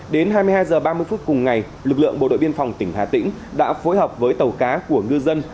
đến hai mươi hai h ba mươi phút cùng ngày lực lượng bộ đội biên phòng tỉnh hà tĩnh đã phối hợp với tàu cá của ngư dân